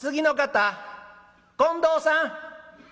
近藤さん！」。